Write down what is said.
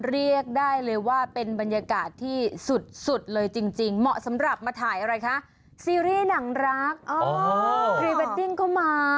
เรียกได้เลยว่าเป็นบรรยากาศที่สุดเลยจริงเหมาะสำหรับมาถ่ายอะไรคะซีรีส์หนังรักพรีเวดดิ้งก็มา